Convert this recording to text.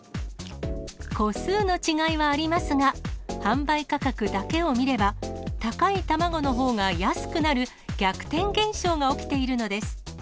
個数の違いはありますが、販売価格だけを見れば、高い卵のほうが安くなる、逆転現象が起きているのです。